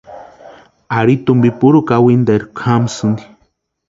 Ari tumpi puru kawinterku jamasïnti.